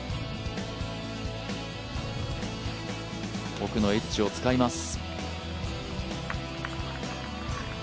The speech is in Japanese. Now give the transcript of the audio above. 奥のエッジを使います。